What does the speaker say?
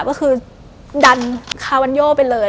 ก็คือดันคาวันโยไปเลย